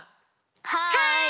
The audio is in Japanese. はい！